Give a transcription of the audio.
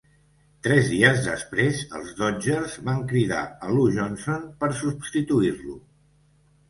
Tres dies després, els Dodgers van cridar a Lou Johnson per substituir-lo.